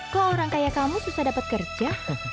kok orang kaya kamu susah dapat kerja